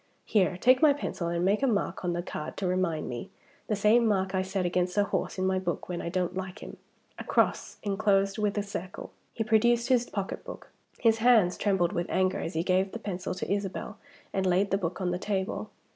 Here; take my pencil, and make a mark on the cards to remind me; the same mark I set against a horse in my book when I don't like him a cross, inclosed in a circle." He produced his pocketbook. His hands trembled with anger as he gave the pencil to Isabel and laid the book on the table.